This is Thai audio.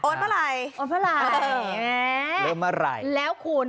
อ้อนเมื่อไรอ้อนเมื่อไรแม่เริ่มเมื่อไหร่